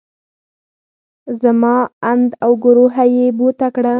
زما اند او ګروهه يې بوته کړه.